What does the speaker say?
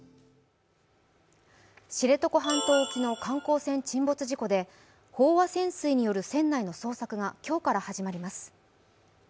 知床半島沖の観光船沈没事故で、飽和潜水による船内の捜索が今日から始まります。